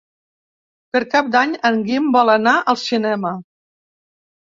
Per Cap d'Any en Guim vol anar al cinema.